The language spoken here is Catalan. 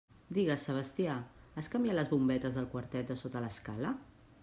Digues, Sebastià, has canviat les bombetes del quartet de sota l'escala?